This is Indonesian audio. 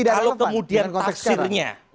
kalau kemudian taksirnya